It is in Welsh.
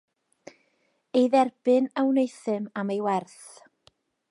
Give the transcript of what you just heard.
Ei dderbyn a wneuthum am ei werth.